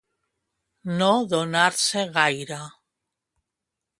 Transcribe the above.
No donar-se gaire.